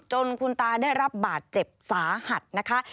จนคุณตาได้รับบาดเจ็บสาหัสนะคะ